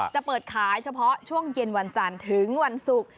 จะเปิดขายเฉพาะช่วงเย็นวันจันทร์ถึงวันศุกร์